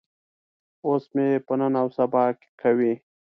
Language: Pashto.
اوس مې په نن او سبا کوي.